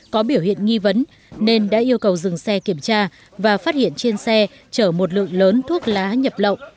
có biểu hiện nghi vấn nên đã yêu cầu dừng xe kiểm tra và phát hiện trên xe chở một lượng lớn thuốc lá nhập lậu